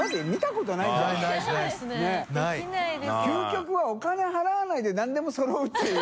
羔砲お金払わないでなんでもそろうっていう。